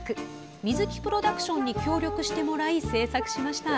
水木プロダクションに協力してもらい、制作しました。